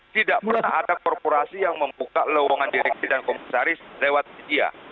tidak pernah ada korporasi yang membuka lewangan direksi dan komisaris lewat media